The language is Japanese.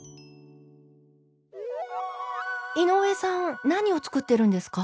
井上さん何を作ってるんですか？